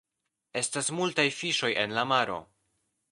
Estas multaj fiŝoj en la maro.